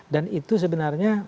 dan itu sebenarnya